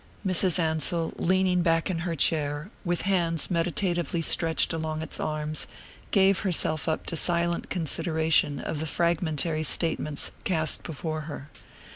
Mrs. Ansell, leaning back in her chair, with hands meditatively stretched along its arms, gave herself up to silent consideration of the fragmentary statements cast before her.